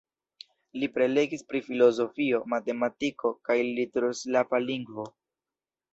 Li prelegis pri filozofio, matematiko kaj liturg-slava lingvo.